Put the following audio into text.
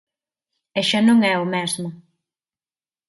E xa non é o mesmo.